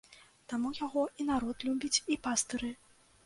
Таму яго і народ любіць, і пастыры.